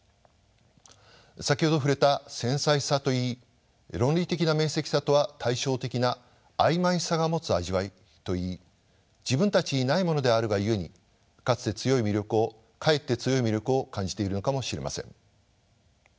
先ほど触れた繊細さといい論理的な明晰さとは対照的な曖昧さが持つ味わいといい自分たちにないものであるがゆえにかえって強い魅力を感じているのかもしれません。